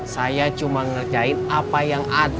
saya cuma ngerjain apa yang ada